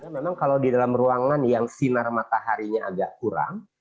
memang kalau di dalam ruangan yang sinar mataharinya agak kurang